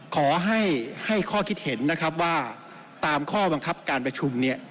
ขอให้ให้ข้อคิดเห็นนะครับว่าตามข้อบังคับการประชุมเนี่ย